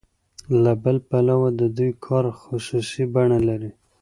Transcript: له بل پلوه د دوی کار خصوصي بڼه لري